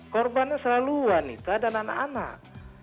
korbannya selalu wanita dan anak anak